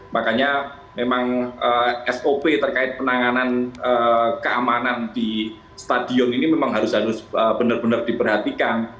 makanya memang sop terkait penanganan keamanan di stadion ini memang harus harus benar benar diperhatikan